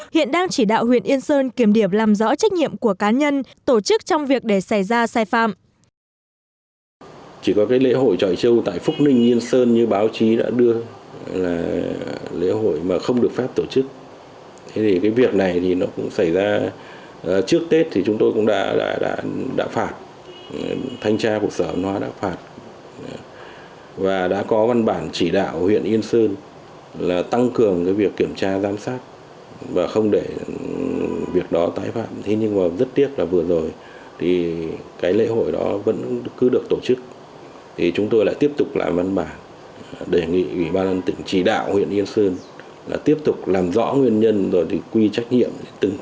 hiện đang chỉ đạo huyện yên sơn kiểm điểm làm rõ trách nhiệm của cá nhân tổ chức trong việc để xảy ra sai phạm